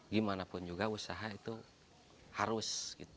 gimanapun juga usaha itu harus